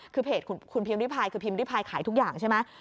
คือเพจคุณพิมพิพายคือพิมพ์ริพายขายทุกอย่างใช่ไหม